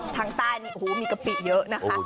ทางใต้มีกะปิเยอะนะคะ